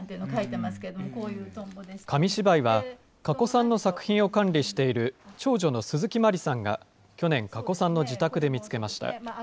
紙芝居は、かこさんの作品を管理している長女の鈴木万里さんが、きょねんかこさんの自宅で見つけました。